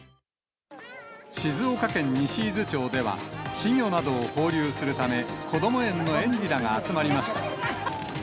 静岡県西伊豆町では、稚魚などを放流するため、こども園の園児らが集まりました。